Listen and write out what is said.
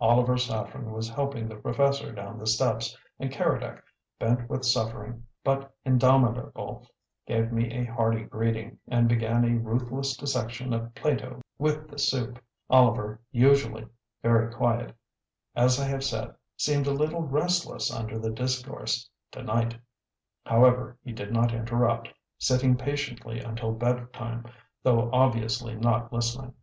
Oliver Saffren was helping the professor down the steps, and Keredec, bent with suffering, but indomitable, gave me a hearty greeting, and began a ruthless dissection of Plato with the soup. Oliver, usually, very quiet, as I have said, seemed a little restless under the discourse to night. However, he did not interrupt, sitting patiently until bedtime, though obviously not listening.